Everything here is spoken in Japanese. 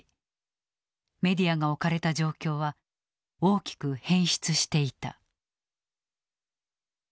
メディアが置かれた状況は大きく変質していた。